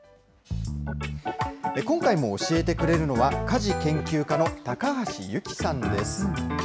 今回も教えてくれるのは、家事研究家の高橋ゆきさんです。